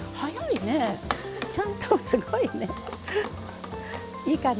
ちゃんと、すごいね。